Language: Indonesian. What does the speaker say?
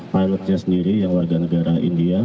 pilotnya sendiri yang warga negara india